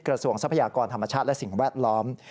ทรัพยากรธรรมชาติและสิ่งแวดล้อม